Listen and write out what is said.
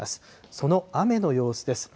その雨の様子です。